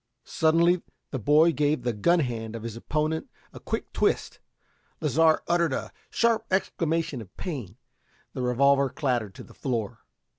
Suddenly, the boy gave the gun hand of his opponent a quick twist. Lasar uttered a sharp exclamation of pain. The revolver clattered to the floor.